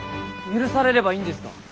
許されればいいんですか。